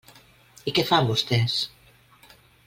I què fan vostès?